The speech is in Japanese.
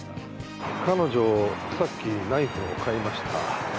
彼女、さっきナイフを買いました。